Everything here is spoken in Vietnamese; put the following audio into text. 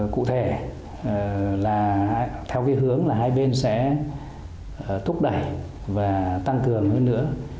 cụ thể là theo cái hướng là hai bên sẽ thúc đẩy và tăng cường hơn nữa